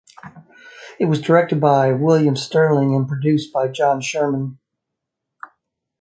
It was directed by William Sterling and produced by John Sherman.